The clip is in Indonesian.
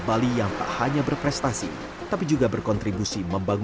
dan ryo saya di sini untuk menang